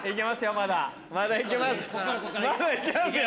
まだ行けますよ。